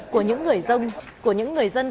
của những người dân